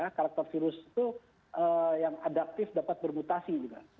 karena karakter virus itu yang adaptif dapat bermutasi juga